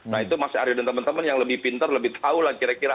nah itu mas aryo dan teman teman yang lebih pintar lebih tahu lah kira kira